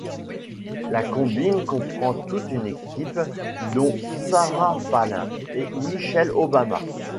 La combine comprend toute une équipe dont Sarah Palin et Michelle Obama.